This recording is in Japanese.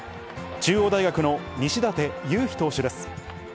中央大学の西舘勇陽投手です。